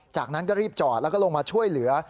จากนั้นก็รีบจอดแล้วก็ลงมาช่วยเหลือ